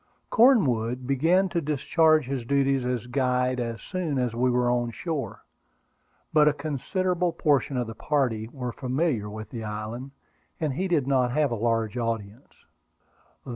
Cornwood began to discharge his duties as guide as soon as we were on shore; but a considerable portion of the party were familiar with the island, and he did not have a large audience.